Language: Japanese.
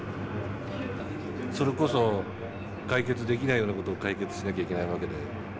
それこそ解決できないような事を解決しなきゃいけない訳で。